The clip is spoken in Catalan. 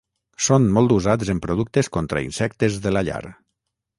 Són molt usats en productes contra insectes de la llar.